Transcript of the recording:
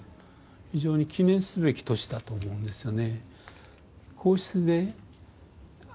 非常に記念すべき年だと思うんですよね。